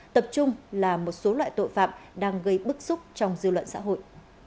tập trung là một số loại tội phạm đang gây bức xúc trong dư luận xã hội